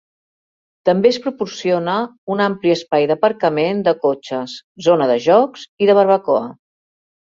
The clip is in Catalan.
També es proporciona un ampli espai d'aparcament de cotxes, zona de jocs i de barbacoa.